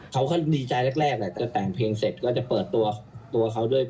เขาก็ดีใจแรกแต่แต่งเพลงเสร็จก็จะเปิดตัวเขา